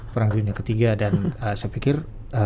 perang dunia ketiga dan saya pikir